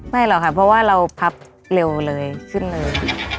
หรอกค่ะเพราะว่าเราพับเร็วเลยขึ้นเลย